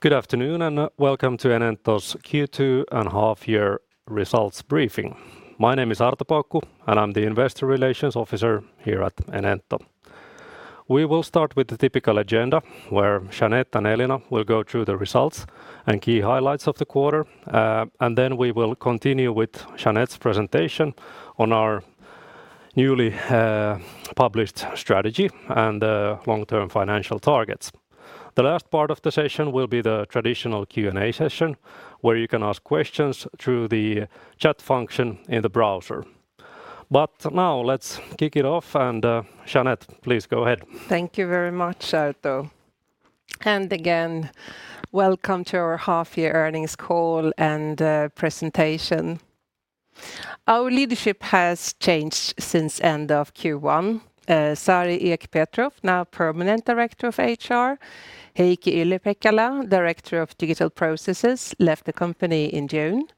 Good afternoon. Welcome to Enento's Q2 and half year results briefing. My name is Arto Paananen, and I'm the Investor Relations Officer here at Enento. We will start with the typical agenda, where Jeanette and Elina will go through the results and key highlights of the quarter. Then we will continue with Jeanette's presentation on our newly published strategy and long-term financial targets. The last part of the session will be the traditional Q&A session, where you can ask questions through the chat function in the browser. Now let's kick it off, and Jeanette, please go ahead. Thank you very much, Arto. Again, welcome to our half year earnings call and presentation. Our leadership has changed since end of Q1. Sari Ek-Petroff, now permanent Director of HR. Heikki Yli-Pekkala, Director of Digital Processes, left the company in June.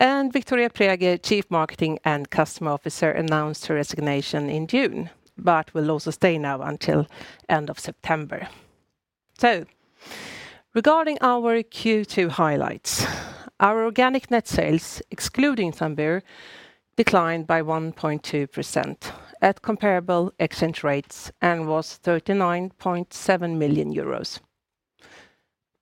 Victoria Präger, Chief Marketing and Customer Officer, announced her resignation in June, but will also stay now until end of September. Regarding our Q2 highlights, our organic net sales, excluding Tambur, declined by 1.2% at comparable exchange rates and was 39.7 million euros.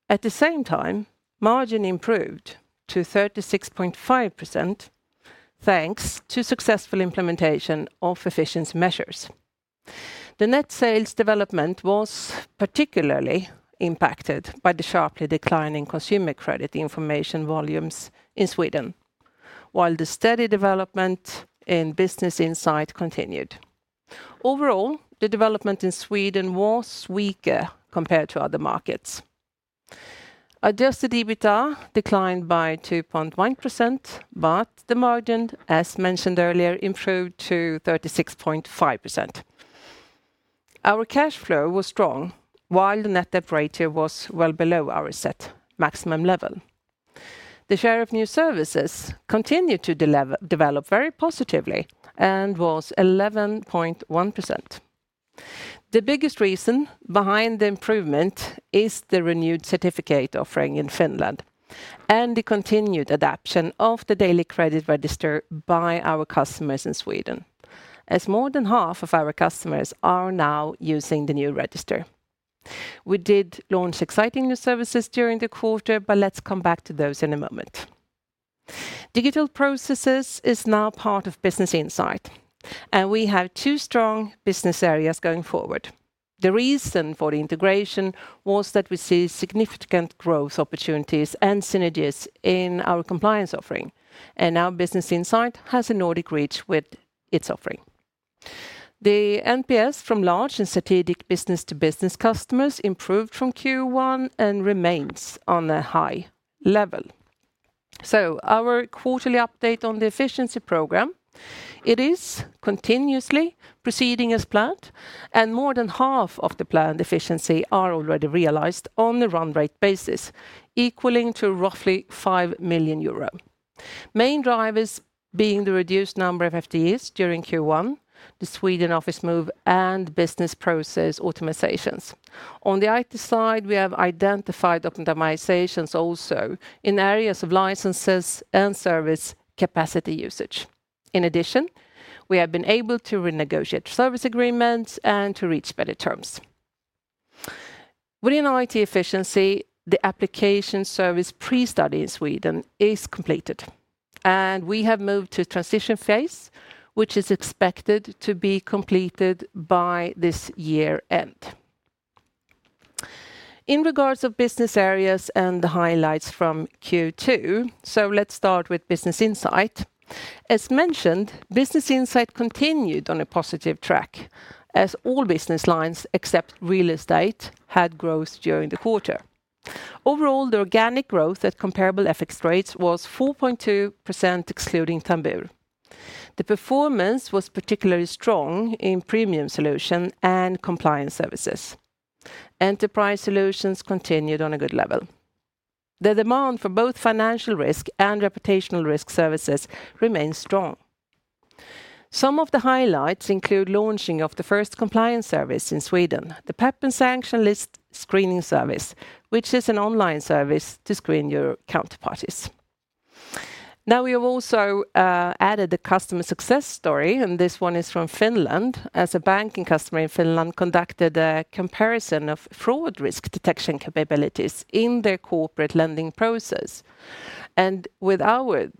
At the same time, margin improved to 36.5% thanks to successful implementation of efficiency measures. The net sales development was particularly impacted by the sharply declining consumer credit information volumes in Sweden, while the steady development in Business Insight continued. Overall, the development in Sweden was weaker compared to other markets. Adjusted EBITDA declined by 2.1%. The margin, as mentioned earlier, improved to 36.5%. Our cash flow was strong, while the net debt ratio was well below our set maximum level. The share of new services continued to develop very positively and was 11.1%. The biggest reason behind the improvement is the renewed certificate offering in Finland. The continued adoption of the daily credit register by our customers in Sweden, as more than half of our customers are now using the new register. We did launch exciting new services during the quarter. Let's come back to those in a moment. Digital Processes is now part of Business Insight. We have two strong business areas going forward. The reason for the integration was that we see significant growth opportunities and synergies in our compliance offering, and now Business Insight has a Nordic reach with its offering. The NPS from large and strategic business-to-business customers improved from Q1 and remains on a high level. Our quarterly update on the efficiency program, it is continuously proceeding as planned, and more than half of the planned efficiency are already realized on a run rate basis, equaling to roughly 5 million euro. Main drivers being the reduced number of FTEs during Q1, the Sweden office move, and business process automations. On the IT side, we have identified optimizations also in areas of licenses and service capacity usage. In addition, we have been able to renegotiate service agreements and to reach better terms. Within IT efficiency, the application service pre-study in Sweden is completed, and we have moved to transition phase, which is expected to be completed by this year end. In regards of business areas and the highlights from Q2, let's start with Business Insight. As mentioned, Business Insight continued on a positive track, as all business lines, except real estate, had growth during the quarter. Overall, the organic growth at comparable FX rates was 4.2%, excluding Tambur. The performance was particularly strong in premium solution and compliance services. Enterprise solutions continued on a good level. The demand for both financial risk and reputational risk services remains strong. Some of the highlights include launching of the first compliance service in Sweden, the PEP and Sanction List Screening Service, which is an online service to screen your counterparties. We have also added a customer success story, and this one is from Finland. As a banking customer in Finland conducted a comparison of fraud risk detection capabilities in their corporate lending process. With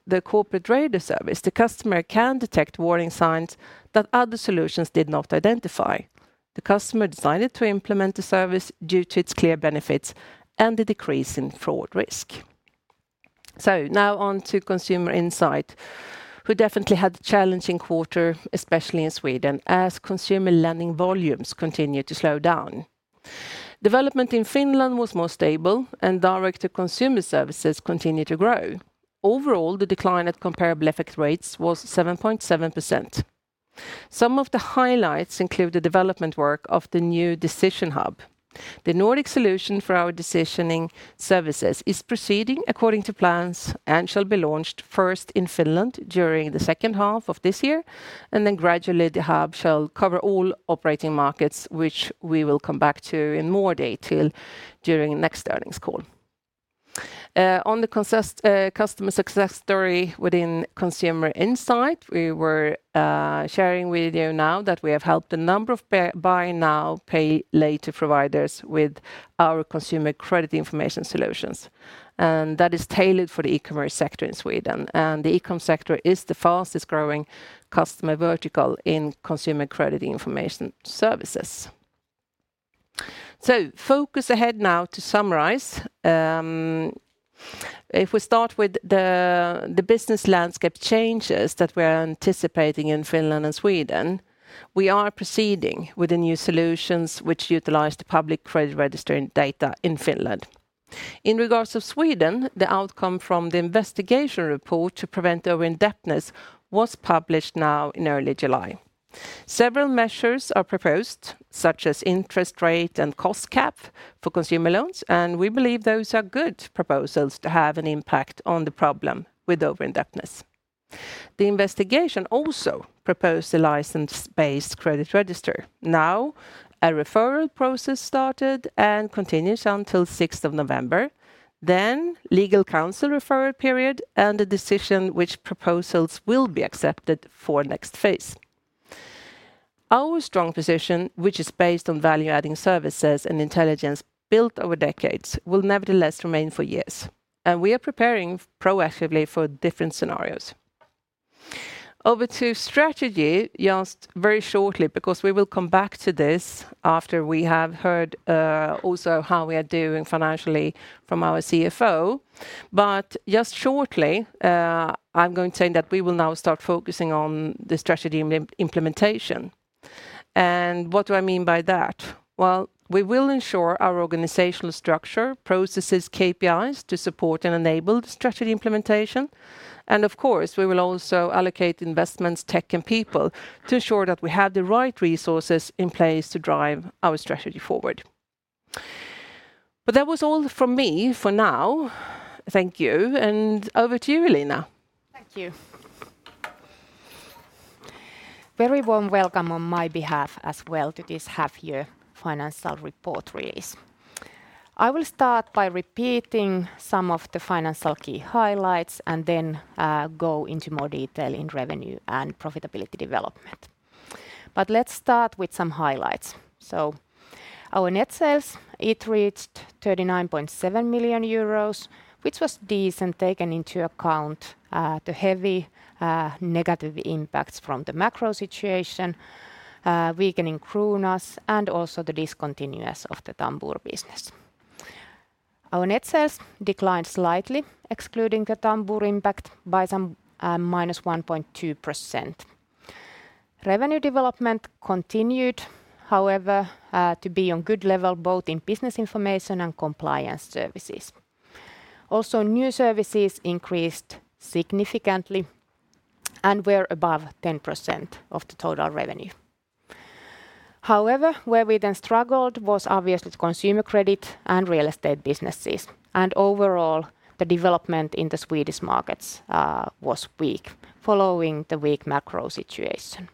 the Corporate Radar service, the customer can detect warning signs that other solutions did not identify. The customer decided to implement the service due to its clear benefits and the decrease in fraud risk. On to Consumer Insight, who definitely had a challenging quarter, especially in Sweden, as consumer lending volumes continued to slow down. Development in Finland was more stable, and direct-to-consumer services continued to grow. Overall, the decline at comparable FX rates was 7.7%. Some of the highlights include the development work of the new Decision Hub. The Nordic solution for our decisioning-... services is proceeding according to plans, shall be launched first in Finland during the second half of this year, and then gradually the hub shall cover all operating markets, which we will come back to in more detail during next earnings call. On the customer success story within Consumer Insight, we were sharing with you now that we have helped a number of buy now, pay later providers with our consumer credit information solutions, and that is tailored for the e-commerce sector in Sweden. The e-com sector is the fastest growing customer vertical in consumer crediting information services. Focus ahead now to summarize. If we start with the business landscape changes that we are anticipating in Finland and Sweden, we are proceeding with the new solutions which utilize the public credit register and data in Finland. In regards to Sweden, the outcome from the investigation report to prevent over-indebtedness was published now in early July. Several measures are proposed, such as interest rate and cost cap for consumer loans, and we believe those are good proposals to have an impact on the problem with over-indebtedness. The investigation also proposed a license-based credit register. Now, a referral process started and continues until 6th of November, then legal counsel referral period, and a decision which proposals will be accepted for next phase. Our strong position, which is based on value-adding services and intelligence built over decades, will nevertheless remain for years, and we are preparing proactively for different scenarios. Over to strategy, just very shortly, because we will come back to this after we have heard also how we are doing financially from our CFO. Just shortly, I'm going to say that we will now start focusing on the strategy implementation. What do I mean by that? Well, we will ensure our organizational structure, processes, KPIs to support and enable the strategy implementation. Of course, we will also allocate investments, tech, and people to ensure that we have the right resources in place to drive our strategy forward. That was all from me for now. Thank you, and over to you, Elina. Thank you. Very warm welcome on my behalf as well to this half-year financial report release. I will start by repeating some of the financial key highlights, go into more detail in revenue and profitability development. Let's start with some highlights. Our net sales, it reached 39.7 million euros, which was decent, taken into account the heavy negative impacts from the macro situation, weakening kronas, and also the discontinuance of the Tambur business. Our net sales declined slightly, excluding the Tambur impact, by some -1.2%. Revenue development continued, however, to be on good level, both in business information and compliance services. Also, new services increased significantly and were above 10% of the total revenue. Where we then struggled was obviously the consumer credit and real estate businesses, and overall, the development in the Swedish markets was weak, following the weak macro situation.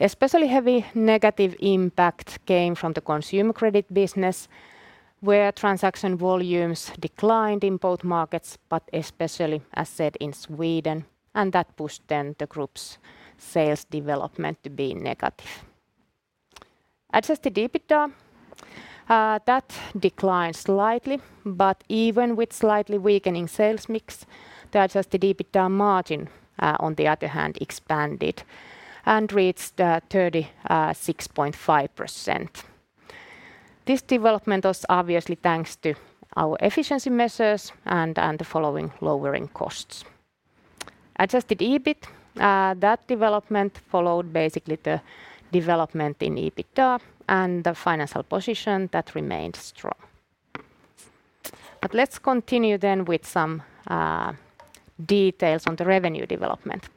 Especially heavy negative impact came from the consumer credit business, where transaction volumes declined in both markets, but especially, as said, in Sweden, and that pushed then the group's sales development to be negative. Adjusted EBITDA that declined slightly, but even with slightly weakening sales mix, the adjusted EBITDA margin on the other hand, expanded and reached 36.5%. This development was obviously thanks to our efficiency measures and the following lowering costs. Adjusted EBIT that development followed basically the development in EBITDA and the financial position that remained strong. Let's continue then with some details on the revenue development.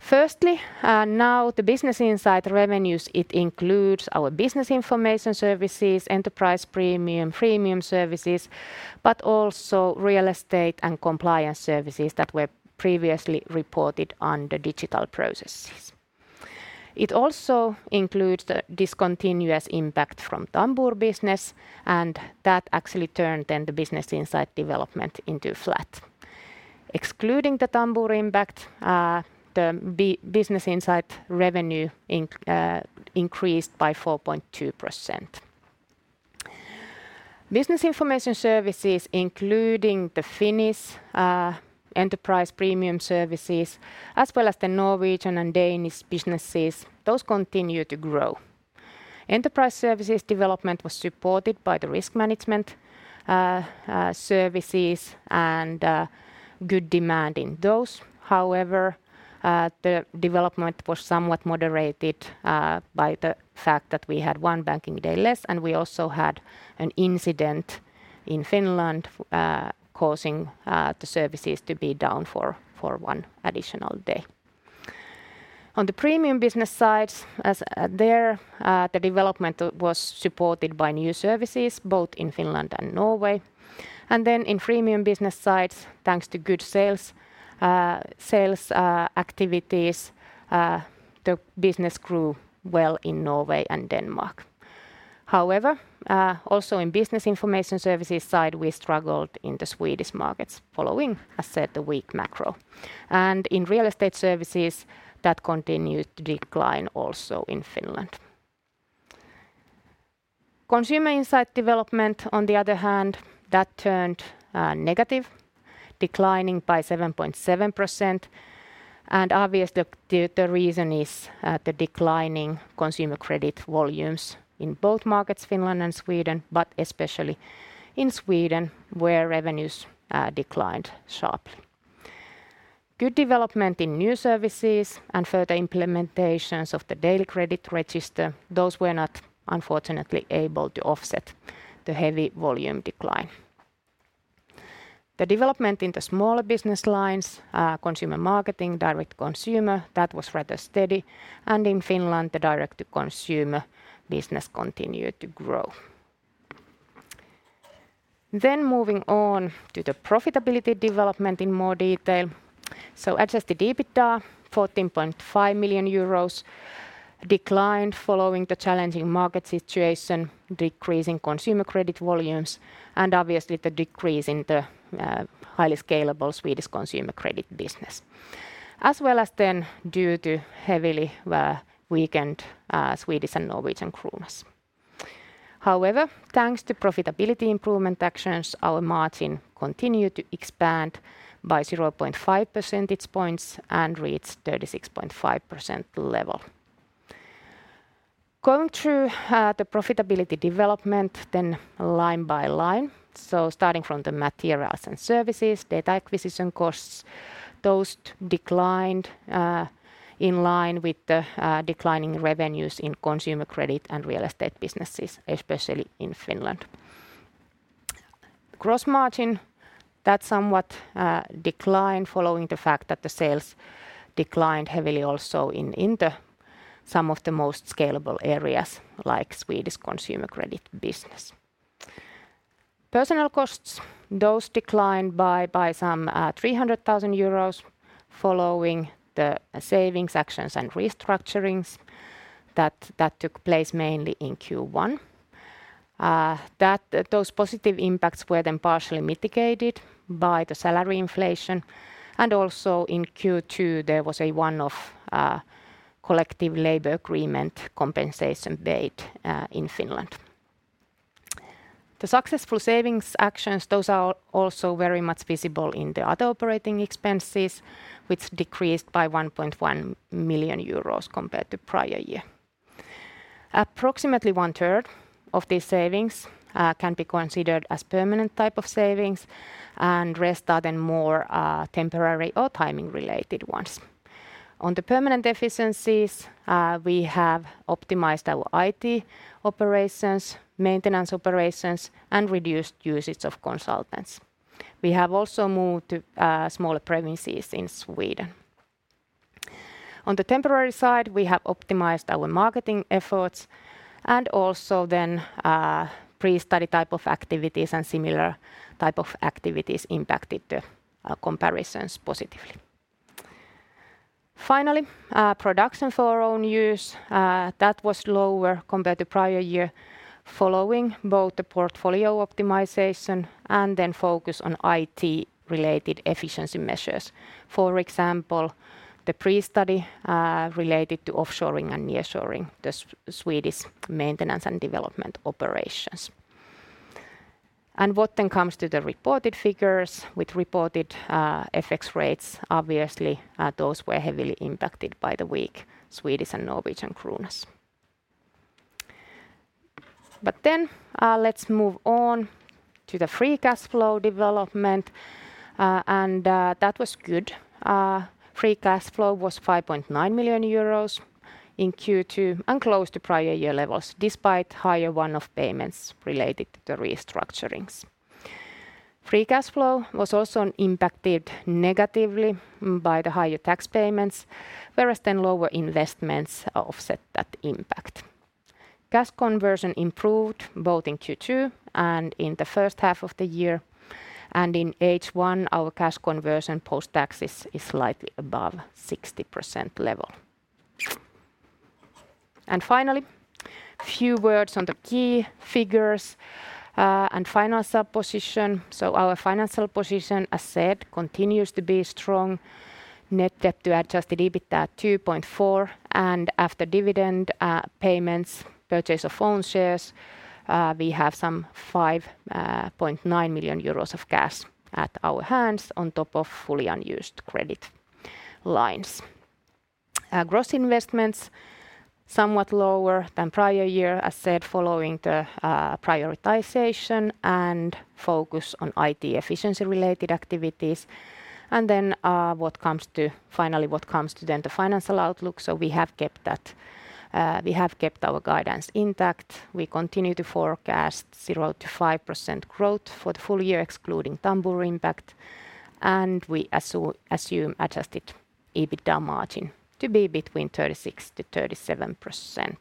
he Business Insight revenues, it includes our business information services, enterprise premium services, but also real estate and compliance services that were previously reported on the Digital Processes. It also includes the discontinuous impact from Tambur business, and that actually turned then the Business Insight development into flat. Excluding the Tambur impact, the Business Insight revenue increased by 4.2%. Business information services, including the Finnish enterprise premium services, as well as the Norwegian and Danish businesses, those continue to grow. Enterprise services development was supported by the risk management services and good demand in those. However, the development was somewhat moderated by the fact that we had one banking day less, and we also had an incident in Finland causing the services to be down for one additional day On the premium business side, as there the development was supported by new services both in Finland and Norway. In premium The development in the smaller business lines, consumer marketing, direct consumer, that was rather steady, and in Finland, the direct consumer business continued to grow. Moving on to the profitability development in more detail. Adjusted EBITDA, 14.5 million euros declined following the challenging market situation, decreasing consumer credit volumes, and obviously the decrease in the highly scalable Swedish consumer credit business, as well as then due to heavily weakened Swedish and Norwegian kronas. However, thanks to profitability improvement actions, our margin continued to expand by 0.5 percentage points and reached 36.5% level. Going through the profitability development, then line by line. Starting from the materials and services, data acquisition costs, those declined in line with the declining revenues in consumer credit and real estate businesses, especially in Finland. Gross margin, that somewhat declined following the fact that the sales declined heavily also in the some of the most scalable areas, like Swedish consumer credit business. Personnel costs, those declined by some 300,000 euros following the savings actions and restructurings that took place mainly in Q1. Those positive impacts were then partially mitigated by the salary inflation, and also in Q2, there was a one-off collective labor agreement compensation paid in Finland. The successful savings actions, those are also very much visible in the other operating expenses, which decreased by 1.1 million euros compared to prior year. Approximately one third of these savings can be considered as permanent type of savings, and rest are then more temporary or timing-related ones. On the permanent efficiencies, we have optimized our IT operations, maintenance operations, and reduced usage of consultants. We have also moved to smaller premises in Sweden. On the temporary side, we have optimized our marketing efforts and also then pre-study type of activities and similar type of activities impacted the comparisons positively. Finally, production for our own use, that was lower compared to prior year, following both the portfolio optimization and then focus on IT-related efficiency measures. For example, the pre-study related to offshoring and nearshoring, the Swedish maintenance and development operations. What then comes to the reported figures with reported FX rates? Obviously, those were heavily impacted by the weak Swedish and Norwegian kronas. Let's move on to the free cash flow development, and that was good. Free cash flow was 5.9 million euros in Q2 and close to prior year levels, despite higher one-off payments related to the restructurings. Free cash flow was also impacted negatively by the higher tax payments, whereas then lower investments offset that impact. Cash conversion improved both in Q2 and in the first half of the year, and in H1, our cash conversion post-taxes is slightly above 60% level. Finally, few words on the key figures and financial position. Our financial position, as said, continues to be strong. Net debt to adjusted EBITDA 2.4, and after dividend payments, purchase of own shares, we have some 5.9 million euros of cash at our hands on top of fully unused credit lines. Gross investments, somewhat lower than prior year, as said, following the prioritization and focus on IT efficiency-related activities. Finally, what comes to the financial outlook. We have kept that, we have kept our guidance intact. We continue to forecast 0%-5% growth for the full year, excluding Tambur impact, and we assume adjusted EBITDA margin to be between 36%-37%.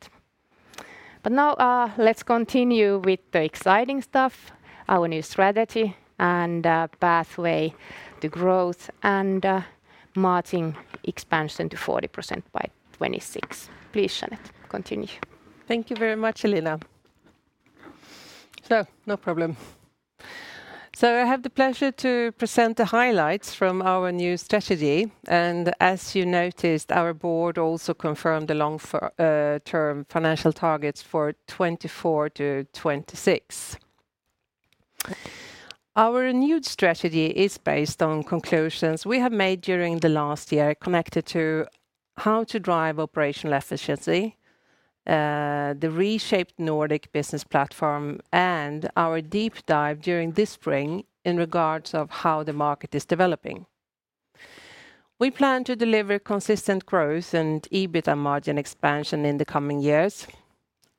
Now, let's continue with the exciting stuff, our new strategy, and pathway to growth, and margin expansion to 40% by 2026. Please, Jeanette, continue. Thank you very much, Elina. No problem. I have the pleasure to present the highlights from our new strategy, and as you noticed, our board also confirmed the long-term financial targets for 2024 to 2026. Our renewed strategy is based on conclusions we have made during the last year, connected to how to drive operational efficiency, the reshaped Nordic business platform, and our deep dive during this spring in regards of how the market is developing. We plan to deliver consistent growth and EBITDA margin expansion in the coming years.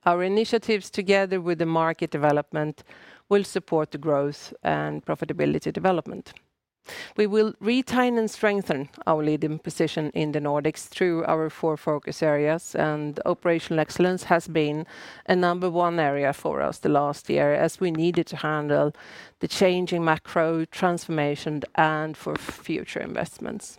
Our initiatives, together with the market development, will support the growth and profitability development. We will retain and strengthen our leading position in the Nordics through our four focus areas. Operational excellence has been a number one area for us the last year, as we needed to handle the changing macro transformation and for future investments.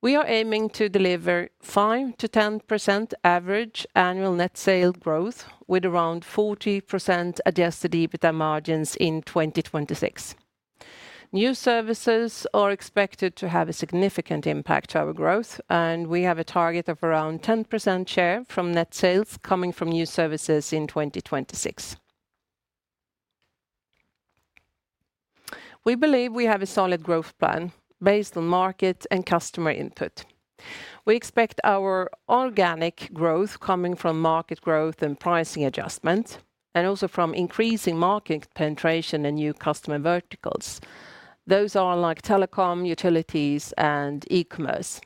We are aiming to deliver 5%-10% average annual net sale growth, with around 40% adjusted EBITDA margins in 2026. New services are expected to have a significant impact to our growth. We have a target of around 10% share from net sales coming from new services in 2026. We believe we have a solid growth plan based on market and customer input. We expect our organic growth coming from market growth and pricing adjustment. Also from increasing market penetration and new customer verticals. Those are like telecom, utilities, and e-commerce.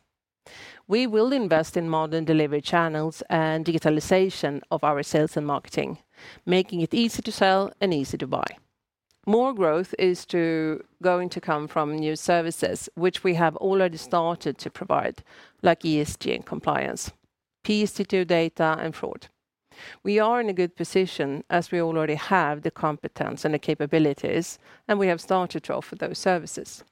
We will invest in modern delivery channels and digitalization of our sales and marketing, making it easy to sell and easy to buy. More growth is going to come from new services, which we have already started to provide, like ESG and compliance, B2C data, and fraud. We are in a good position, as we already have the competence and the capabilities, and we have started to offer those services.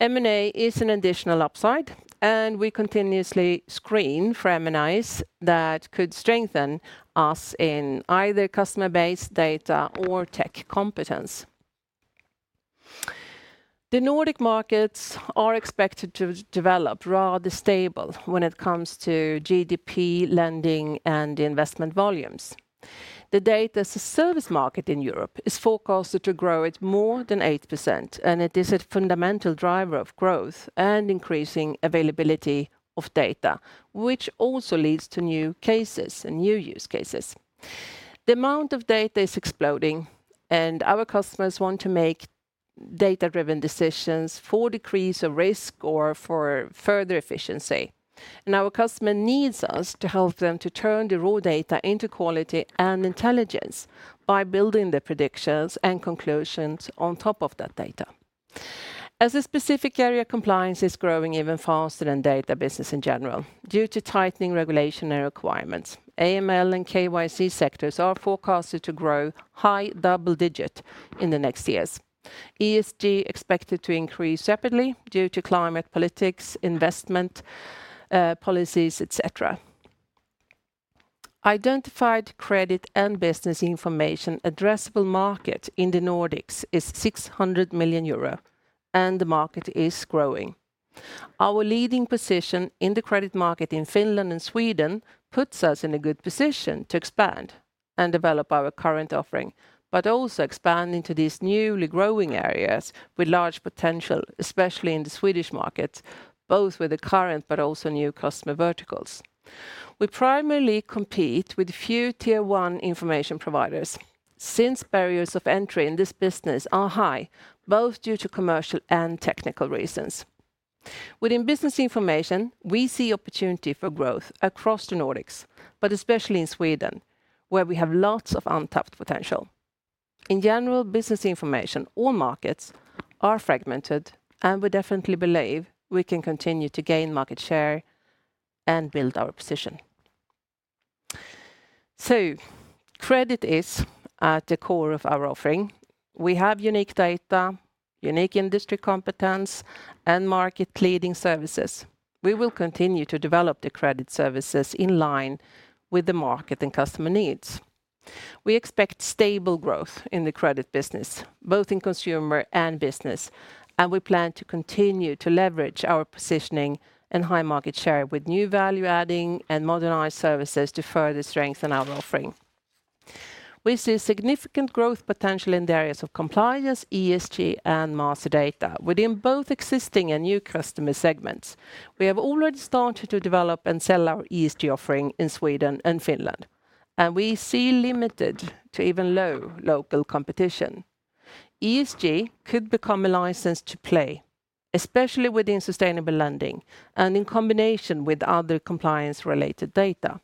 M&A is an additional upside. We continuously screen for M&As that could strengthen us in either customer base data or tech competence. The Nordic markets are expected to develop rather stable when it comes to GDP, lending, and investment volumes. The Data as a Service market in Europe is forecasted to grow at more than 8%, it is a fundamental driver of growth and increasing availability of data, which also leads to new cases and new use cases. The amount of data is exploding, our customers want to make data-driven decisions for decrease of risk or for further efficiency. Our customer needs us to help them to turn the raw data into quality and intelligence by building the predictions and conclusions on top of that data. As a specific area, compliance is growing even faster than data business in general, due to tightening regulation and requirements. AML and KYC sectors are forecasted to grow high double-digit in the next years. ESG expected to increase rapidly due to climate politics, investment policies, et cetera. Identified credit and business information addressable market in the Nordics is 600 million euro. The market is growing. Our leading position in the credit market in Finland and Sweden puts us in a good position to expand and develop our current offering, but also expand into these newly growing areas with large potential, especially in the Swedish markets, both with the current but also new customer verticals. We primarily compete with few tier one information providers, since barriers of entry in this business are high, both due to commercial and technical reasons. Within business information, we see opportunity for growth across the Nordics, but especially in Sweden, where we have lots of untapped potential. In general business information, all markets are fragmented. We definitely believe we can continue to gain market share and build our position. Credit is at the core of our offering. We have unique data, unique industry competence, and market-leading services. We will continue to develop the credit services in line with the market and customer needs. We expect stable growth in the credit business, both in consumer and business. We plan to continue to leverage our positioning and high market share with new value adding and modernized services to further strengthen our offering. We see significant growth potential in the areas of compliance, ESG, and master data within both existing and new customer segments. We have already started to develop and sell our ESG offering in Sweden and Finland. We see limited to even low local competition. ESG could become a license to play, especially within sustainable lending and in combination with other compliance-related data.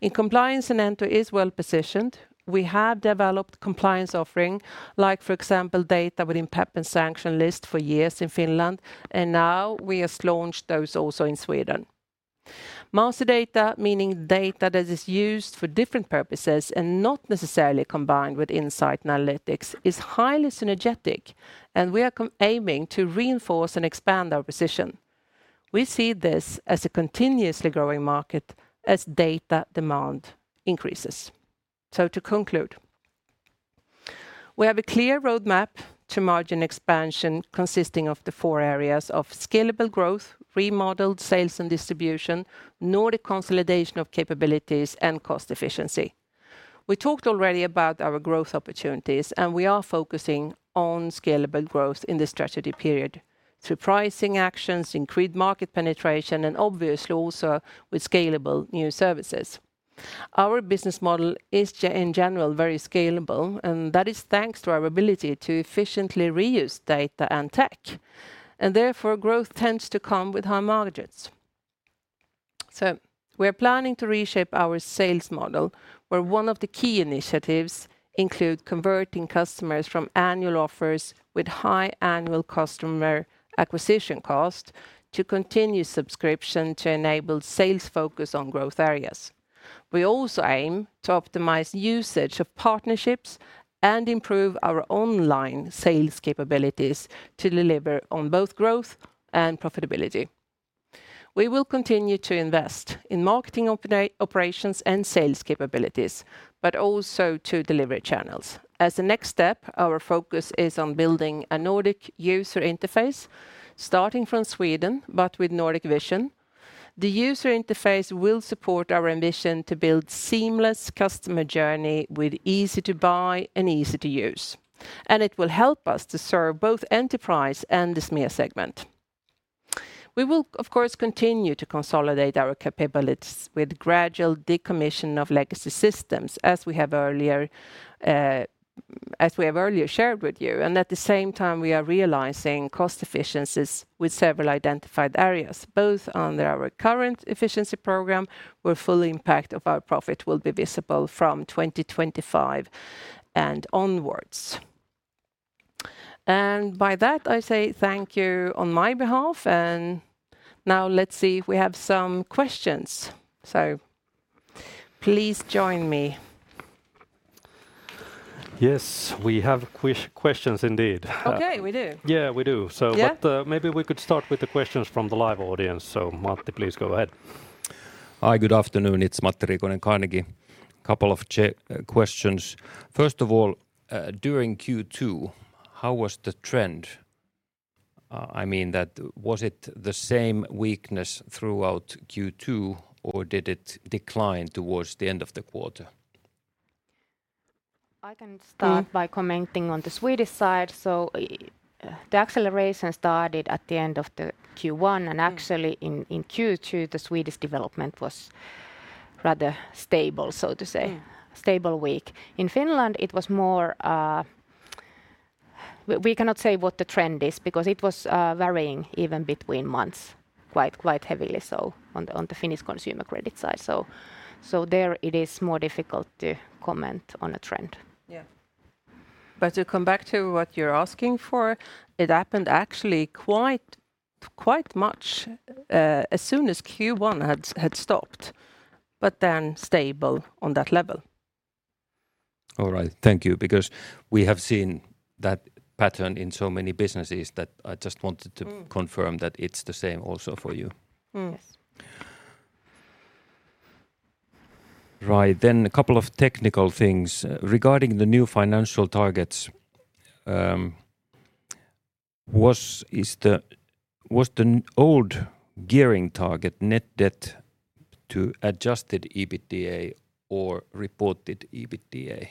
In compliance, Enento is well positioned. We have developed compliance offering, like, for example, data within PEP and Sanction List for years in Finland, and now we just launched those also in Sweden. Master data, meaning data that is used for different purposes and not necessarily combined with insight analytics, is highly synergetic, and we are aiming to reinforce and expand our position. We see this as a continuously growing market as data demand increases. To conclude, we have a clear roadmap to margin expansion consisting of the 4 areas of scalable growth, remodeled sales and distribution, Nordic consolidation of capabilities, and cost efficiency. We talked already about our growth opportunities, and we are focusing on scalable growth in the strategy period through pricing actions, increased market penetration, and obviously also with scalable new services. Our business model is in general, very scalable. That is thanks to our ability to efficiently reuse data and tech. Therefore, growth tends to come with high margins. We are planning to reshape our sales model, where one of the key initiatives include converting customers from annual offers with high annual customer acquisition cost to continued subscription to enable sales focus on growth areas. We also aim to optimize usage of partnerships and improve our online sales capabilities to deliver on both growth and profitability. We will continue to invest in marketing operations and sales capabilities, also to delivery channels. As a next step, our focus is on building a Nordic user interface, starting from Sweden, with Nordic vision. The user interface will support our ambition to build seamless customer journey with easy to buy and easy to use. It will help us to serve both enterprise and the SME segment. We will, of course, continue to consolidate our capabilities with gradual decommission of legacy systems, as we have earlier shared with you. At the same time, we are realizing cost efficiencies with several identified areas, both on our current efficiency program, where full impact of our profit will be visible from 2025 and onwards. By that, I say thank you on my behalf, and now let's see if we have some questions. Please join me. Yes, we have questions indeed. Okay, we do. Yeah, we do. Yeah. Maybe we could start with the questions from the live audience. Matti, please go ahead. Hi, good afternoon. It's Matti Riikonen, Carnegie. Couple of questions. First of all, during Q2, how was the trend? I mean, that was it the same weakness throughout Q2, or did it decline towards the end of the quarter? I can start- Mm... by commenting on the Swedish side. The acceleration started at the end of the Q1. Mm... in Q2, the Swedish development was rather stable, so to say. Mm. Stable, weak. In Finland, it was more. We cannot say what the trend is, because it was varying even between months, quite heavily, so on the Finnish consumer credit side. There it is more difficult to comment on a trend. Yeah. To come back to what you're asking for, it happened actually quite much, as soon as Q1 had stopped, but then stable on that level. All right, thank you. We have seen that pattern in so many businesses, that I just wanted- Mm... confirm that it's the same also for you. Mm. Yes. Right, a couple of technical things. Regarding the new financial targets, was the old gearing target net debt to adjusted EBITDA or reported EBITDA?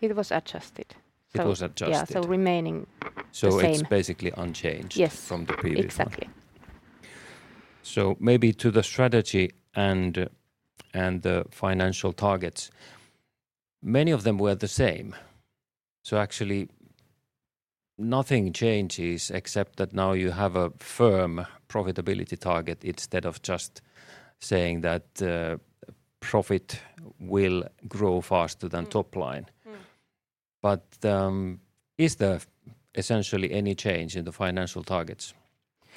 It was adjusted. It was adjusted? Yeah, remaining the same. It's basically unchanged. Yes from the previous one? Exactly. Maybe to the strategy and the financial targets, many of them were the same, so actually nothing changes except that now you have a firm profitability target instead of just saying that profit will grow faster than top line. Mm. Is there essentially any change in the financial targets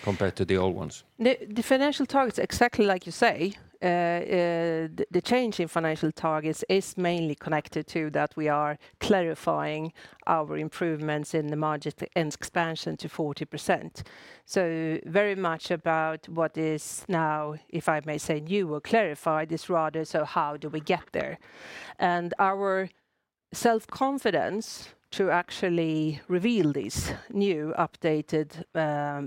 compared to the old ones? The financial targets, exactly like you say, the change in financial targets is mainly connected to that we are clarifying our improvements in the margin and expansion to 40%. Very much about what is now, if I may say, new or clarified, is rather, how do we get there? Our self-confidence to actually reveal this new updated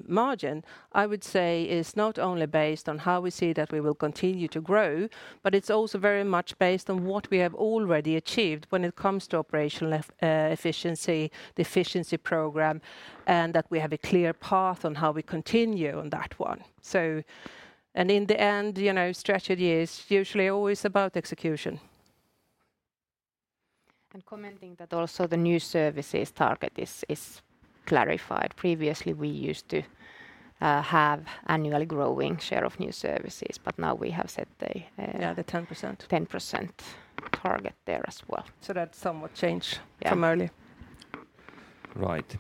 margin, I would say, is not only based on how we see that we will continue to grow, but it's also very much based on what we have already achieved when it comes to operational efficiency, the efficiency program, and that we have a clear path on how we continue on that one. In the end, you know, strategy is usually always about execution. Commenting that also the new services target is clarified. Previously, we used to have annually growing share of new services, but now we have set a. Yeah, the 10%.... 10% target there as well. That's somewhat Yeah... from earlier. Right.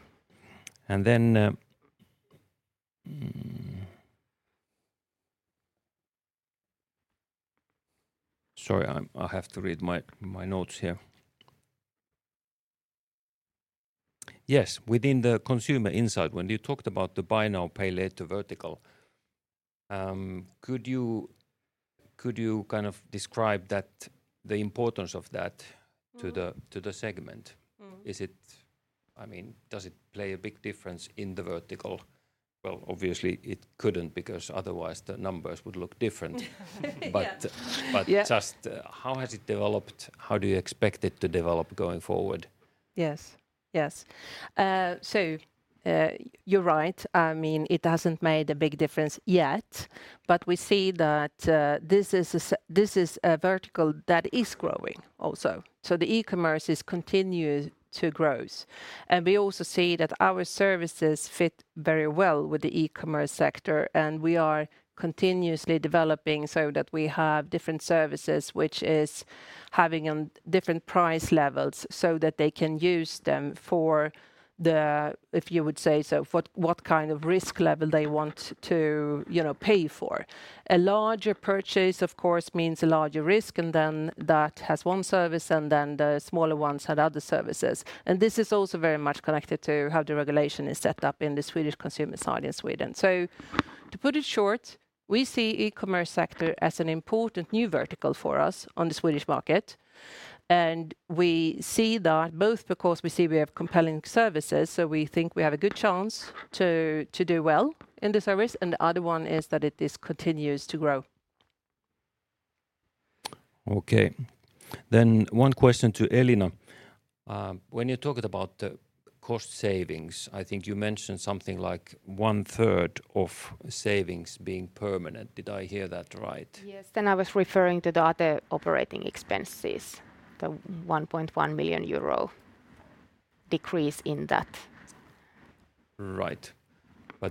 Sorry, I have to read my notes here. Yes, within the Consumer Insight, when you talked about the buy now, pay later vertical, could you kind of describe that, the importance of that? Mm... to the segment? Mm. I mean, does it play a big difference in the vertical? Well, obviously, it couldn't, because otherwise the numbers would look different. Yeah. But- Yeah... just, how has it developed? How do you expect it to develop going forward? Yes, yes. You're right. I mean, it hasn't made a big difference yet, but we see that this is a vertical that is growing also. The e-commerce is continued to grows. We also see that our services fit very well with the e-commerce sector, and we are continuously developing so that we have different services, which is having different price levels so that they can use them for the... If you would say so, what kind of risk level they want to, you know, pay for. A larger purchase, of course, means a larger risk, and then that has one service, and then the smaller ones have other services. This is also very much connected to how the regulation is set up in the Swedish consumer side in Sweden. To put it short, we see e-commerce sector as an important new vertical for us on the Swedish market, and we see that both because we see we have compelling services, so we think we have a good chance to do well in the service, and the other one is that it is continues to grow. Okay. One question to Elina. When you talked about the cost savings, I think you mentioned something like one third of savings being permanent. Did I hear that right? Yes, I was referring to the other operating expenses, the 1.1 million euro decrease in that. Right.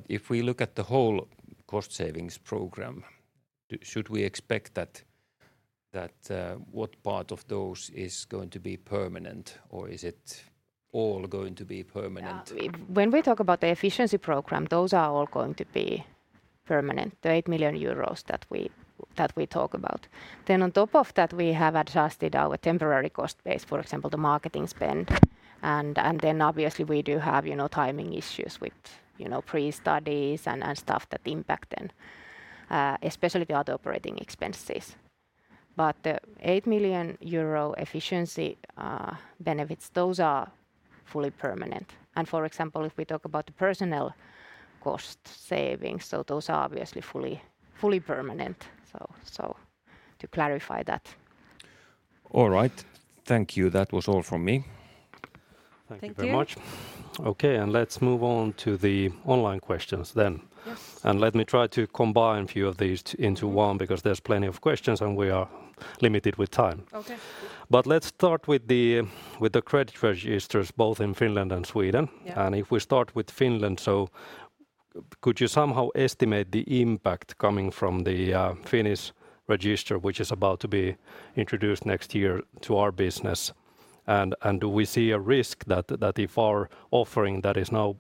If we look at the whole cost savings program, should we expect that what part of those is going to be permanent, or is it all going to be permanent? When we talk about the efficiency program, those are all going to be permanent, the 8 million euros that we talk about. On top of that, we have adjusted our temporary cost base, for example, the marketing spend. Obviously we do have, you know, timing issues with, you know, pre-studies and stuff that impact then, especially the other operating expenses. The 8 million euro efficiency benefits, those are fully permanent. For example, if we talk about the personal cost savings, those are obviously fully permanent. To clarify that. All right. Thank you. That was all from me. Thank you. Thank you very much. Okay, let's move on to the online questions then. Yes. Let me try to combine a few of these into 1, because there's plenty of questions, and we are limited with time. Okay. Let's start with the credit registers, both in Finland and Sweden. Yeah. If we start with Finland, could you somehow estimate the impact coming from the Finnish register, which is about to be introduced next year to our business? Do we see a risk that if our offering that is now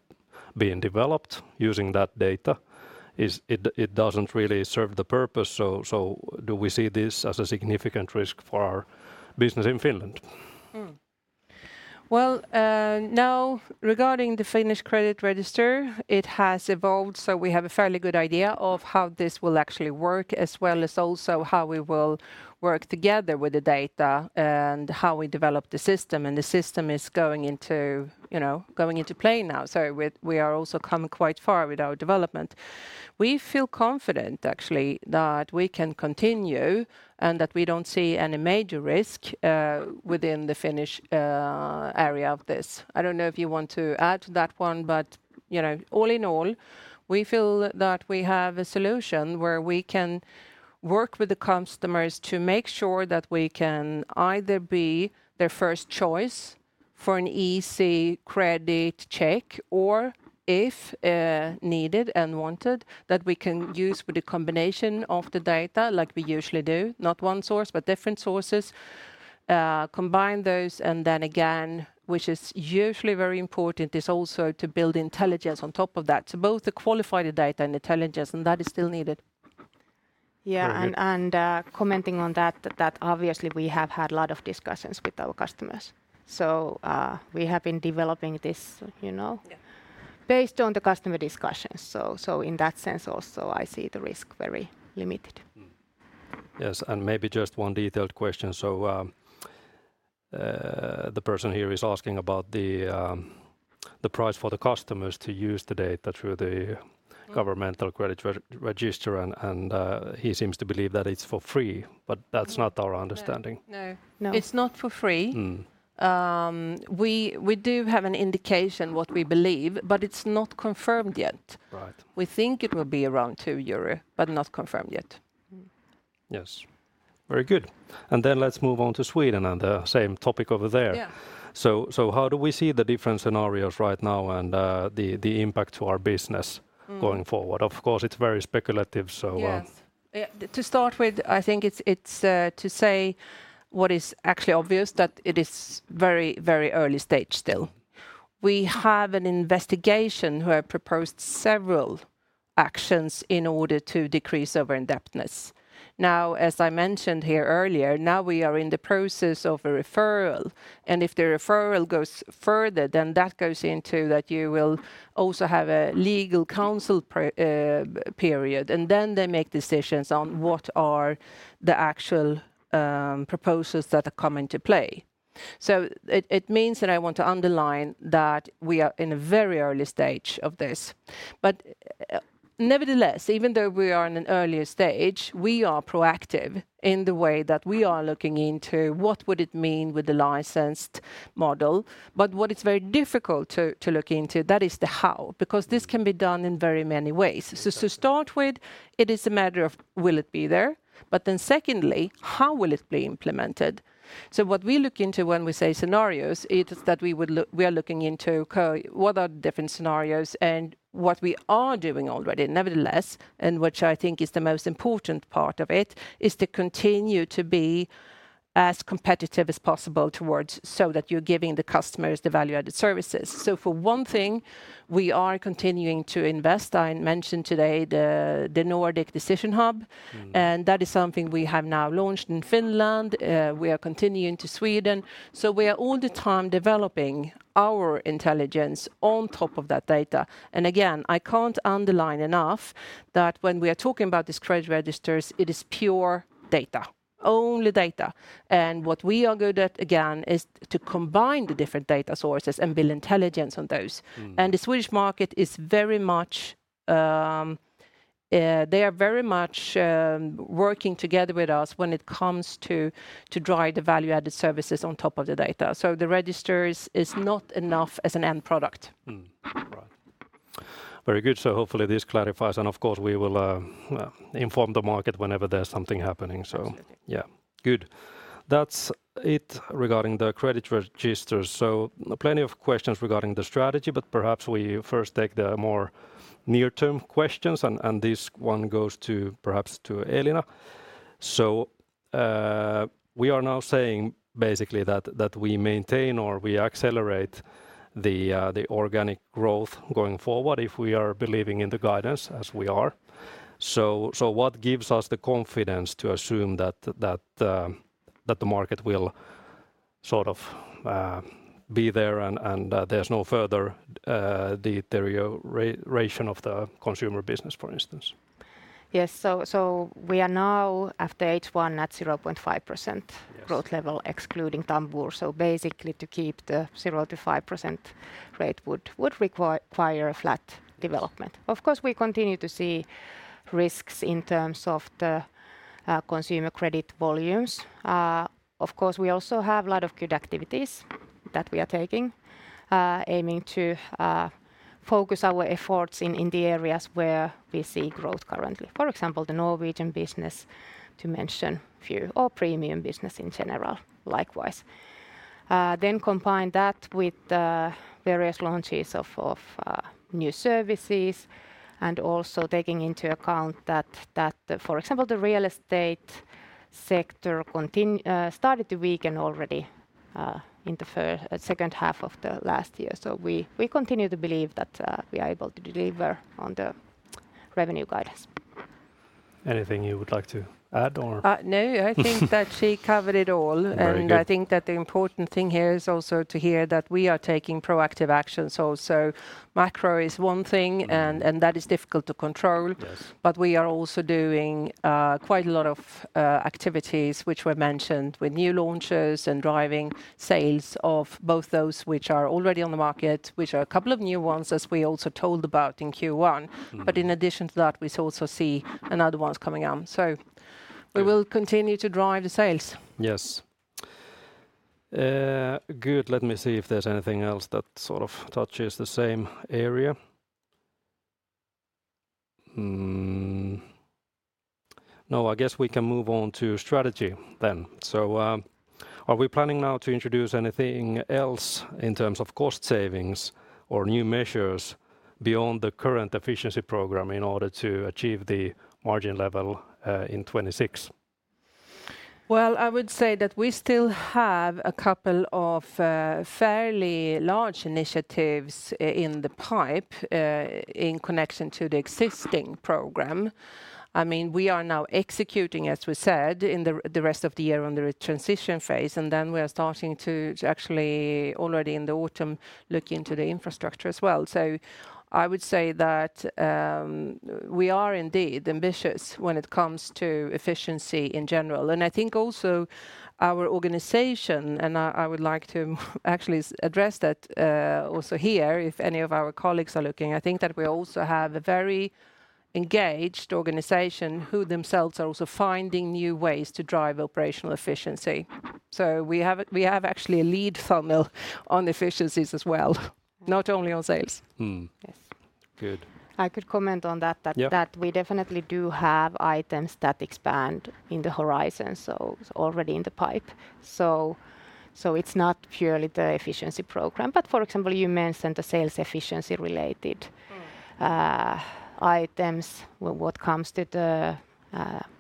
being developed using that data, it doesn't really serve the purpose? Do we see this as a significant risk for our business in Finland? Well, now, regarding the Positive Credit Register, it has evolved, so we have a fairly good idea of how this will actually work, as well as also how we will work together with the data and how we develop the system. The system is going into, you know, going into play now, so we are also coming quite far with our development. We feel confident, actually, that we can continue, and that we don't see any major risk within the Finnish area of this. I don't know if you want to add to that one, but, you know, all in all, we feel that we have a solution where we can work with the customers to make sure that we can either be their first choice for an easy credit check, or, if, needed and wanted, that we can use with a combination of the data like we usually do, not one source, but different sources, combine those, and then again, which is usually very important, is also to build intelligence on top of that. Both to qualify the data and intelligence, and that is still needed. Yeah- Very good.... and commenting on that obviously we have had a lot of discussions with our customers. We have been developing this, you know. Yeah... based on the customer discussions. In that sense also, I see the risk very limited. Yes, maybe just one detailed question. The person here is asking about the price for the customers to use the data through. Mm... governmental credit register, and, he seems to believe that it's for free, but that's not our understanding. No. No. It's not for free. Mm. We do have an indication what we believe, but it's not confirmed yet. Right. We think it will be around 2 euro, but not confirmed yet. Mm. Yes. Very good. Let's move on to Sweden and the same topic over there. Yeah. How do we see the different scenarios right now and the impact to our business? Mm... going forward? Of course, it's very speculative, so. Yes. Yeah. To start with, I think it's to say what is actually obvious, that it is very, very early stage still. We have an investigation where proposed several actions in order to decrease over-indebtedness. As I mentioned here earlier, we are in the process of a referral. If the referral goes further, that goes into that you will also have a legal counsel period, then they make decisions on what are the actual proposals that come into play. It means that I want to underline that we are in a very early stage of this. Nevertheless, even though we are in an earlier stage, we are proactive in the way that we are looking into what would it mean with the licensed model. What is very difficult to look into, that is the how, because this can be done in very many ways. To start with, it is a matter of will it be there? Then secondly, how will it be implemented? What we look into when we say scenarios, it is that we are looking into what are the different scenarios, and what we are doing already. Nevertheless, and which I think is the most important part of it, is to continue to be as competitive as possible towards so that you're giving the customers the value-added services. For one thing, we are continuing to invest. I mentioned today the Nordic Decision Hub- Mm. That is something we have now launched in Finland, we are continuing to Sweden. We are all the time developing our intelligence on top of that data. Again, I can't underline enough that when we are talking about these credit registers, it is pure data, only data. What we are good at, again, is to combine the different data sources and build intelligence on those. Mm. They are very much working together with us when it comes to drive the value-added services on top of the data. The registers is not enough as an end product. Right. Very good. Hopefully this clarifies, and of course, we will, well, inform the market whenever there's something happening. Absolutely. Yeah, good. That's it regarding the credit registers. Plenty of questions regarding the strategy, but perhaps we first take the more near-term questions, and this one goes to, perhaps to Elina. We are now saying basically that we maintain or we accelerate the organic growth going forward if we are believing in the guidance as we are. What gives us the confidence to assume that the market will sort of be there and there's no further deterioration of the consumer business, for instance? Yes. We are now after H1 at 0.5%. Yes... growth level, excluding Tambur. Basically, to keep the 0%-5% rate would require choir a flat development. Of course, we continue to see risks in terms of the consumer credit volumes. Of course, we also have a lot of good activities that we are taking, aiming to focus our efforts in the areas where we see growth currently. For example, the Norwegian business, to mention a few, or premium business in general, likewise. Combine that with the various launches of new services, and also taking into account that, for example, the real estate sector started to weaken already in the second half of the last year. We continue to believe that we are able to deliver on the revenue guidance. Anything you would like to add or? No, I think that she covered it all. Very good. I think that the important thing here is also to hear that we are taking proactive actions also. Macro is one thing. Mm... and that is difficult to control. Yes. We are also doing quite a lot of activities which were mentioned, with new launches and driving sales of both those which are already on the market, which are a couple of new ones, as we also told about in Q1. Mm-hmm. In addition to that, we also see another ones coming on. Good we will continue to drive the sales. Yes. good. Let me see if there's anything else that sort of touches the same area. No, I guess we can move on to strategy then. Are we planning now to introduce anything else in terms of cost savings or new measures beyond the current efficiency program in order to achieve the margin level in 2026? Well, I would say that we still have a couple of fairly large initiatives in the pipe in connection to the existing program. I mean, we are now executing, as we said, in the rest of the year under a transition phase, we are starting to actually already in the autumn, look into the infrastructure as well. I would say that we are indeed ambitious when it comes to efficiency in general. I think also our organization, and I would like to actually address that also here, if any of our colleagues are looking. I think that we also have a very engaged organization, who themselves are also finding new ways to drive operational efficiency. We have actually a lead thumbnail on efficiencies as well, not only on sales. Mm. Yes. Good. I could comment on that. Yeah that we definitely do have items that expand in the horizon, so already in the pipe. So it's not purely the efficiency program. For example, you mentioned the sales efficiency related items, what comes to the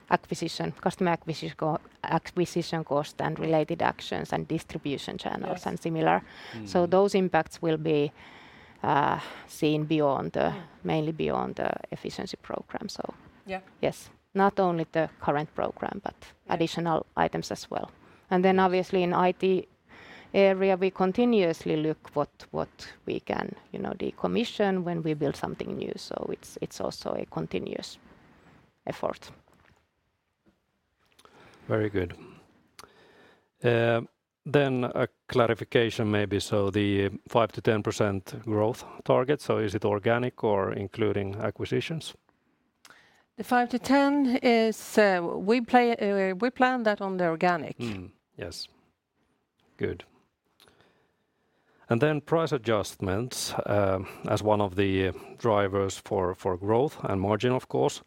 acquisition, customer acquisition cost and related actions and distribution channels. Yes... and similar. Mm. those impacts seeing beyond the, mainly beyond the efficiency program. Yeah. Yes, not only the current program, but additional items as well. Obviously in IT area, we continuously look what we can, you know, decommission when we build something new, so it's also a continuous effort. Very good. A clarification maybe, the 5 to 10% growth target, is it organic or including acquisitions? The 5 to 10 is, we plan that on the organic. Yes. Good. Then price adjustments, as one of the drivers for growth and margin, of course.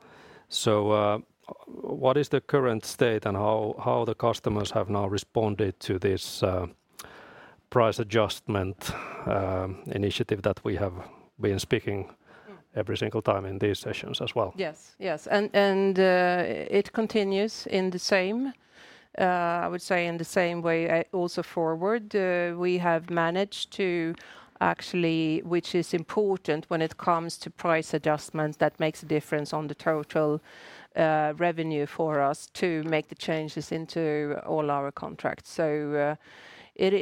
What is the current state, and how the customers have now responded to this, price adjustment, initiative that we have been. Mm... every single time in these sessions as well? Yes, it continues in the same, I would say in the same way, also forward. We have managed to actually, which is important when it comes to price adjustments, that makes a difference on the total revenue for us to make the changes into all our contracts. It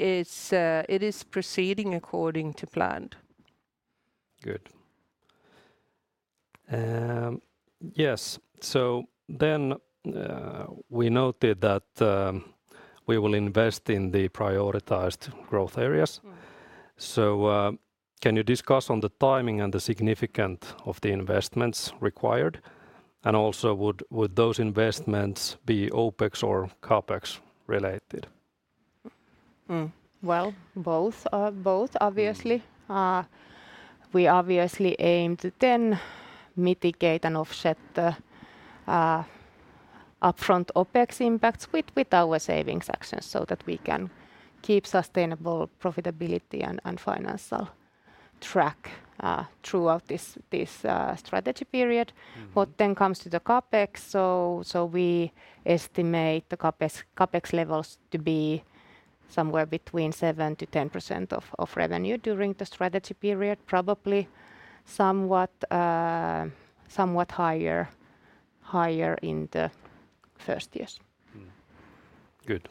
is proceeding according to plan. Good. Yes, we noted that, we will invest in the prioritized growth areas. Mm. Can you discuss on the timing and the significance of the investments required, and also would those investments be OpEx or CapEx related? Both obviously. We obviously aim to then mitigate and offset the upfront OpEx impacts with our savings actions, so that we can keep sustainable profitability and financial track throughout this strategy period. Mm-hmm. comes to the CapEx, so we estimate the CapEx levels to be somewhere between 7%-10% of revenue during the strategy period, probably somewhat higher in the first years. Good.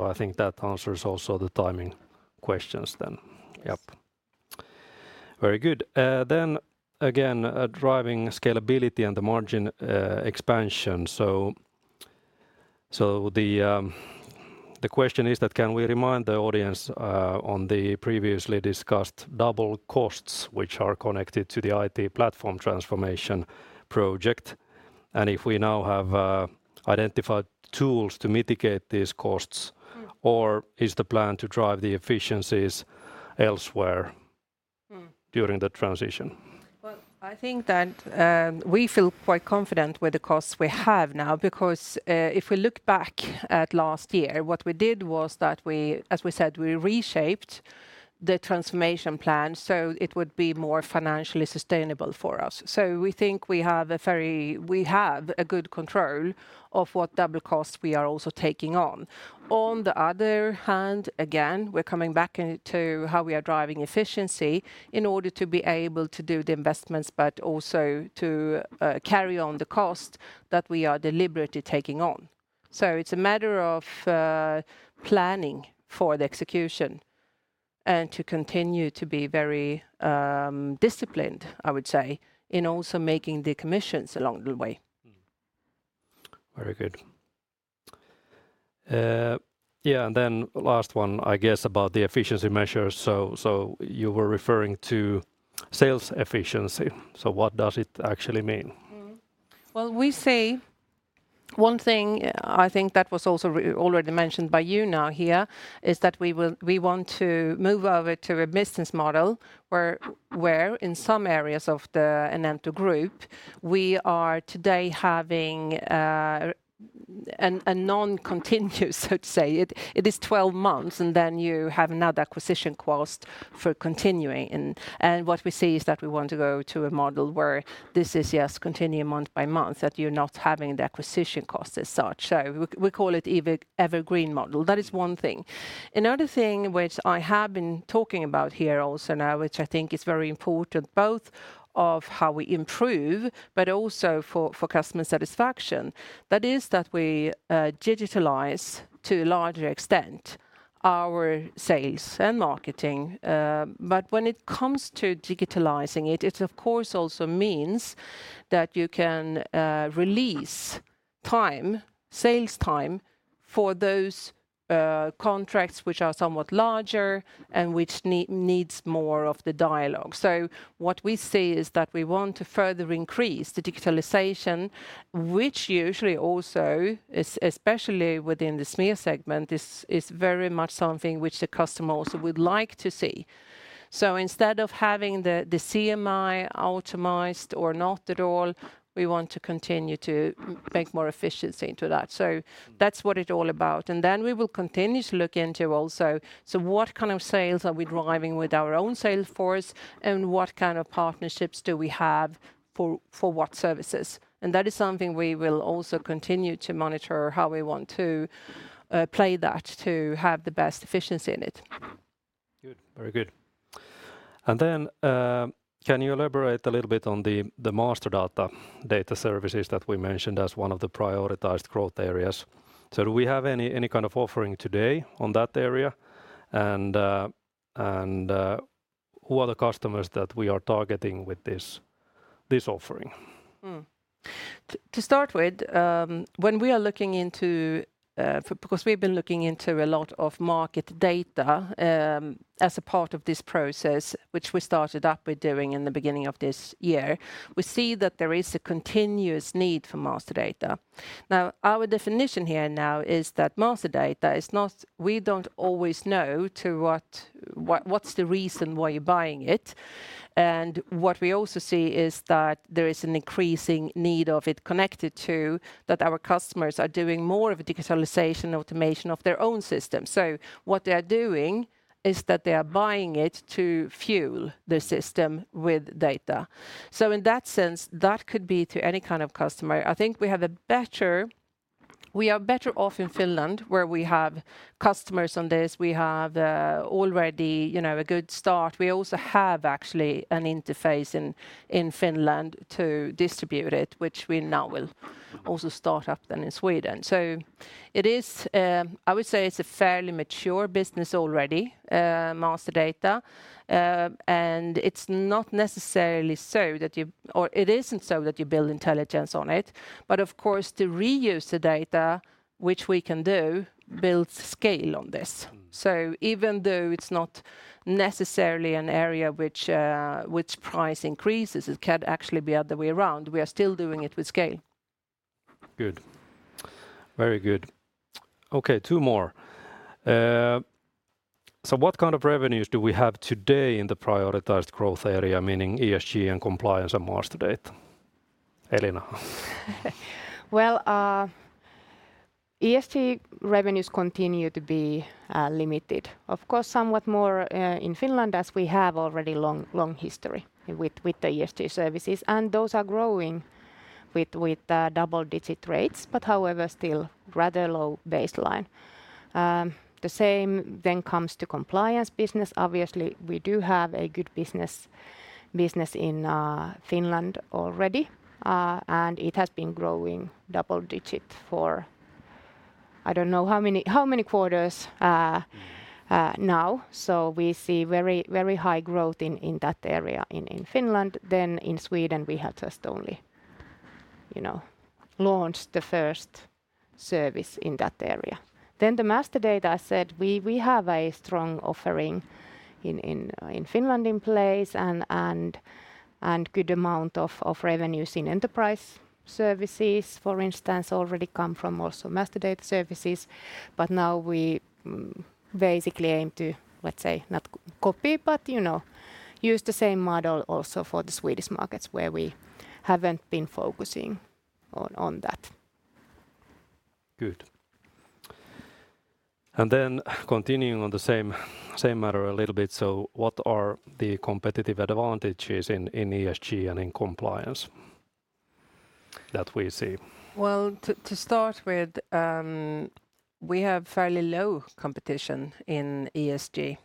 I think that answers also the timing questions then. Yes. Yep. Very good. Driving scalability and the margin expansion, so the question is that can we remind the audience on the previously discussed double costs, which are connected to the IT platform transformation project? If we now have identified tools to mitigate these costs- Mm or is the plan to drive the efficiencies elsewhere? Mm during the transition? I think that, we feel quite confident with the costs we have now. If we look back at last year, what we did was that we, as we said, we reshaped the transformation plan, it would be more financially sustainable for us. We think we have a good control of what double costs we are also taking on. Mm. On the other hand, again, we're coming back into how we are driving efficiency in order to be able to do the investments, but also to carry on the cost that we are deliberately taking on. It's a matter of planning for the execution, and to continue to be very disciplined, I would say, in also making the commissions along the way. Mm. Very good. Yeah, and then last one, I guess, about the efficiency measures, so you were referring to sales efficiency, so what does it actually mean? Well, we say one thing, I think that was also already mentioned by you now here, is that we want to move over to a business model where in some areas of the Enento Group, we are today having a non-continuous, so to say. It is 12 months, and then you have another acquisition cost for continuing. What we see is that we want to go to a model where this is, yes, continue month by month, that you're not having the acquisition cost as such. We call it evergreen model. That is one thing. Another thing which I have been talking about here also now, which I think is very important, both of how we improve, but also for customer satisfaction, that is that we digitalize to a larger extent our sales and marketing. When it comes to digitalizing it of course also means that you can release time, sales time, for those contracts which are somewhat larger and which needs more of the dialogue. What we see is that we want to further increase the digitalization, which usually also is, especially within the SME segment, is very much something which the customer also would like to see. Instead of having the CRM optimized or not at all, we want to continue to make more efficiency into that. Mm. That's what it's all about. We will continue to look into also, what kind of sales are we driving with our own sales force, and what kind of partnerships do we have for what services? That is something we will also continue to monitor, how we want to play that to have the best efficiency in it. Good. Very good. Can you elaborate a little bit on the master data services that we mentioned as one of the prioritized growth areas? Do we have any kind of offering today on that area, and who are the customers that we are targeting with this offering? To start with, when we are looking into, because we've been looking into a lot of market data, as a part of this process, which we started up with doing in the beginning of this year, we see that there is a continuous need for master data. Our definition here now is that master data is not. We don't always know to what's the reason why you're buying it, and what we also see is that there is an increasing need of it connected to that our customers are doing more of a digitalization automation of their own system. What they are doing is that they are buying it to fuel the system with data. In that sense, that could be to any kind of customer. I think we are better off in Finland, where we have customers on this. We have already, you know, a good start. We also have actually an interface in Finland to distribute it, which we now will also start up then in Sweden. It is, I would say, it's a fairly mature business already, master data. It isn't so that you build intelligence on it, but of course, to reuse the data, which we can do, build scale on this. Mm. Even though it's not necessarily an area which price increases, it can actually be other way around. We are still doing it with scale. Good. Very good. Okay, two more. What kind of revenues do we have today in the prioritized growth area, meaning ESG and compliance and master data? Elina? ESG revenues continue to be limited. Of course, somewhat more in Finland, as we have already long history with the ESG services, and those are growing with double-digit rates, but however, still rather low baseline. The same then comes to compliance business. Obviously, we do have a good business in Finland already, and it has been growing double digit for, I don't know how many quarters now. We see very high growth in that area in Finland. In Sweden, we have just only, you know, launched the first service in that area. The master data, I said, we have a strong offering in Finland in place and good amount of revenues in enterprise services. For instance, already come from also master data services, but now we basically aim to, let's say, not copy, but, you know, use the same model also for the Swedish markets where we haven't been focusing on that. Good. Continuing on the same matter a little bit, what are the competitive advantages in ESG and in compliance that we see? To start with, we have fairly low competition in ESG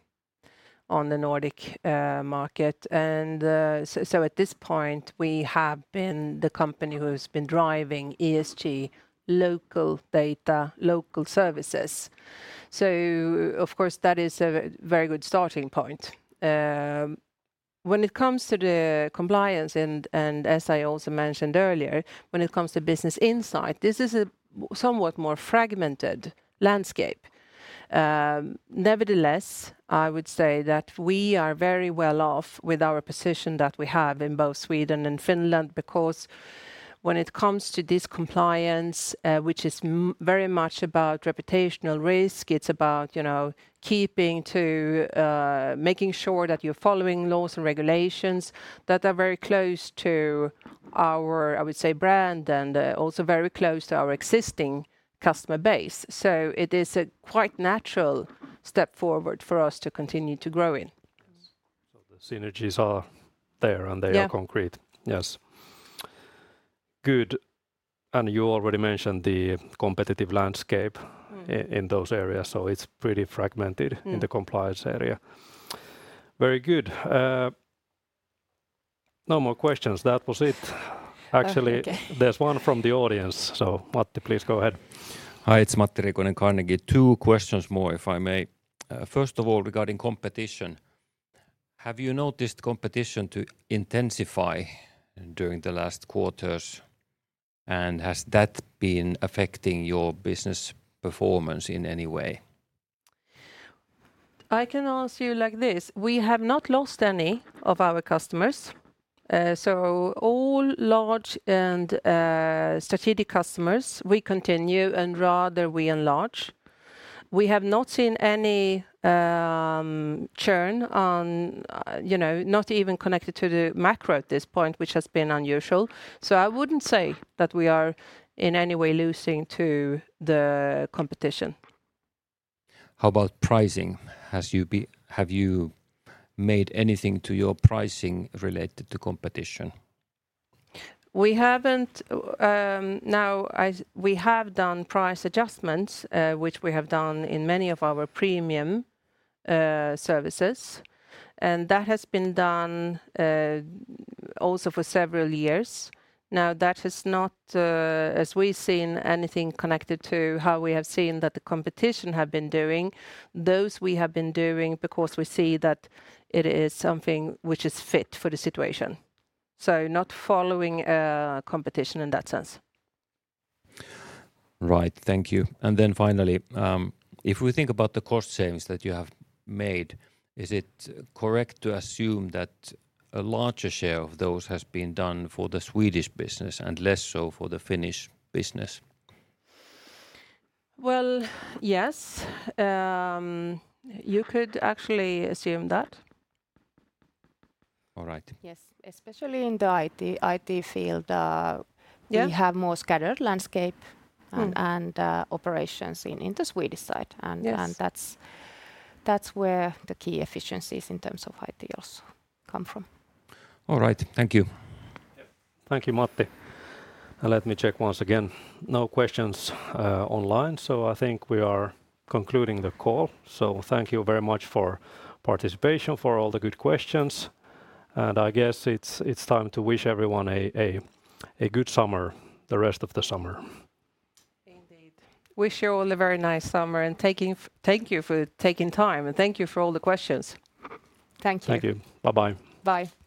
on the Nordic market, so at this point, we have been the company who's been driving ESG local data, local services. Of course, that is a very good starting point. When it comes to the compliance and as I also mentioned earlier, when it comes to Business Insight, this is a somewhat more fragmented landscape. Nevertheless, I would say that we are very well off with our position that we have in both Sweden and Finland, because when it comes to this compliance, which is very much about reputational risk, it's about, you know, keeping to, making sure that you're following laws and regulations that are very close to our, I would say, brand, also very close to our existing customer base. It is a quite natural step forward for us to continue to grow in. Yes. the synergies are there. Yeah They are concrete. Yes. Good. You already mentioned the competitive landscape. Mm in those areas, so it's pretty fragmented-. Mm... in the compliance area. Very good. No more questions. That was it. Okay. Actually, there's one from the audience, so Matti, please go ahead. Hi, it's Matti Riikonen, Carnegie. Two questions more, if I may. First of all, regarding competition, have you noticed competition to intensify during the last quarters, and has that been affecting your business performance in any way? I can answer you like this: we have not lost any of our customers. All large and strategic customers, we continue and rather we enlarge. We have not seen any churn on, you know, not even connected to the macro at this point, which has been unusual. I wouldn't say that we are in any way losing to the competition. How about pricing? Have you made anything to your pricing related to competition? We haven't. Now, we have done price adjustments, which we have done in many of our premium services, and that has been done also for several years. Now, that has not, as we've seen, anything connected to how we have seen that the competition have been doing. Those we have been doing because we see that it is something which is fit for the situation, so not following competition in that sense. Right. Thank you. Then finally, if we think about the cost savings that you have made, is it correct to assume that a larger share of those has been done for the Swedish business and less so for the Finnish business? Well, yes. You could actually assume that. All right. Yes, especially in the IT field. Yeah... we have more scattered landscape. Mm... and operations in the Swedish side Yes That's where the key efficiencies in terms of IT also come from. All right. Thank you. Yep. Thank you, Matti. Let me check once again. No questions online, I think we are concluding the call. Thank you very much for participation, for all the good questions, and I guess it's time to wish everyone a good summer the rest of the summer. Indeed. Wish you all a very nice summer. Thank you for taking time, and thank you for all the questions. Thank you. Thank you. Bye-bye. Bye.